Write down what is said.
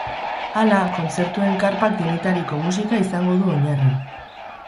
Hala, kontzertuen karpak denetariko musika izango du oinarri.